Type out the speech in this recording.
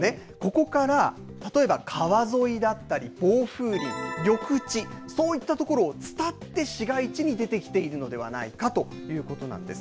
ここから例えば、川沿いだったり防風林、緑地、そういった所を伝って市街地に出てきているのではないかということなんです。